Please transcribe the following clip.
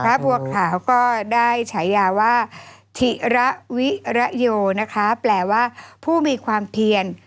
บัวขาวก็ได้ฉายาว่าธิระวิระโยนะคะแปลว่าผู้มีความเพียร